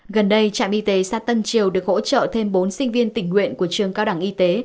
gần đây trạm y tế xã tân triều được hỗ trợ thêm bốn sinh viên tình nguyện của trường cao đẳng y tế